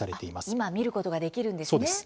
今見ることができるんですね。